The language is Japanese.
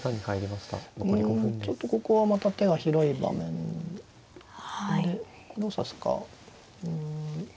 うんちょっとここはまた手が広い場面でどう指すかうん。